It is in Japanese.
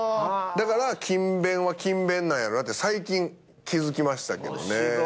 だから勤勉は勤勉なんやろなって最近気付きましたけどね。